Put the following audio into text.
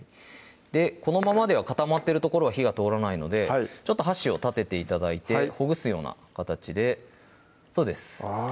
このままでは固まってる所は火が通らないのでちょっと箸を立てて頂いてほぐすような形でそうですあ